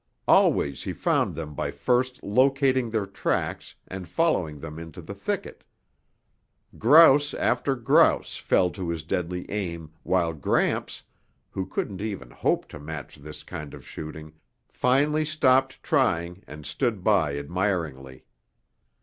Always he found them by first locating their tracks and following them into the thicket. Grouse after grouse fell to his deadly aim while Gramps, who couldn't even hope to match this kind of shooting, finally stopped trying and stood by admiringly.